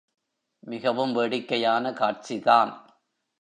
மிகவும் வேடிக்கையான காட்சிதான்.